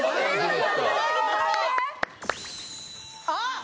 あっ！